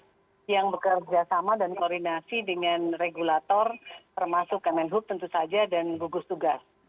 kami punya tim posko yang bekerja sama dan koordinasi dengan regulator termasuk kemenhuk tentu saja dan gugus tugas